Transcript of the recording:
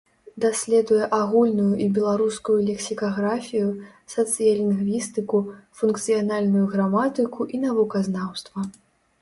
Даследуе агульную і беларускую лексікаграфію, сацыялінгвістыку, функцыянальную граматыку і навуказнаўства.